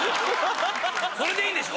これでいいんでしょ？